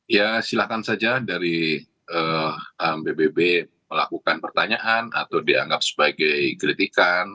ya silahkan saja dari bbb melakukan pertanyaan atau dianggap sebagai kritikan